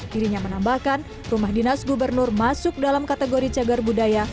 dirinya menambahkan rumah dinas gubernur masuk dalam kategori cagar budaya